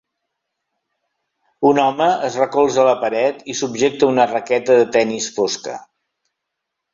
Un home es recolza a la paret i subjecta una raqueta de tennis fosca.